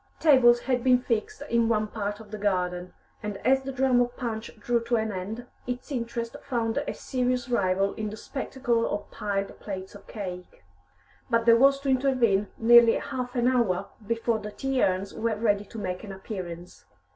Tables had been fixed in one part of the garden, and as the drama of Punch drew to an end, its interest found a serious rival in the spectacle of piled plates of cake. But there was to intervene nearly half an hour before the tea urns were ready to make an appearance.